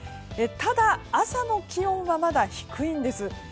ただ、朝の気温はまだ低いんです。